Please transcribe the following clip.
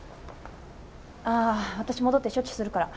あ私戻って処置するから。